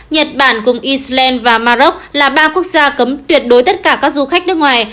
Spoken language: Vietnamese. nhật bản cùng iceland và maroc là ba quốc gia cấm tuyệt đối tất cả các du khách nước ngoài